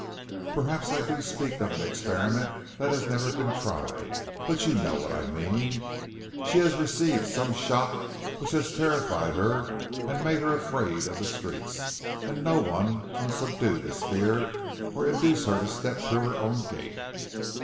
"Perhaps I do speak of an experiment that has never been tried; but you know what I mean. She has received some shock which has terrified her and made her afraid of the streets, and no one can subdue this fear or induce her to step through her own gate.